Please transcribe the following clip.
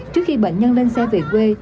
trước khi bệnh nhân lên xe về quê